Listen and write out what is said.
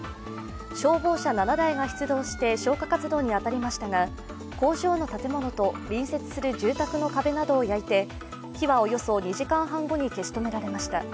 消防車７台が出動して消火活動に当たりましたが工場の建物と隣接する住宅の壁などを焼いて火はおよそ２時間半後に消し止められました。